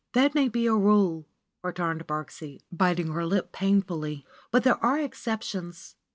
"That may be a rule," returned Birksie, biting her lip painfully, "but there are exceptions."